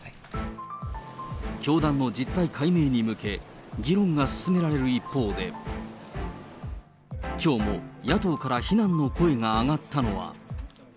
教団の実態解明に向け、議論が進められる一方で、きょうも野党から非難の声が上がったのは。